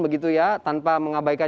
begitu ya tanpa mengabaikan